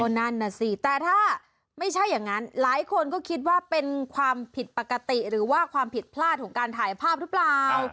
นั่นน่ะสิแต่ถ้าไม่ใช่อย่างนั้นหลายคนก็คิดว่าเป็นความผิดปกติหรือว่าความผิดพลาดของการถ่ายภาพหรือเปล่า